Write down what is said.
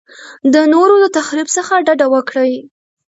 د نورو د تخریب څخه ډډه وکړئ.